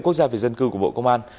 quốc gia về dân cư của bộ công an